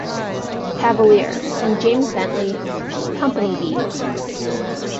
Cavalier, and James Bentley, Company B.